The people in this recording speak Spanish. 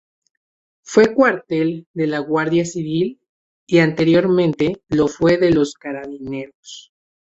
Fue cuartel de la Guardia Civil y anteriormente lo fue de los carabineros.